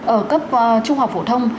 ở cấp trung học phổ thông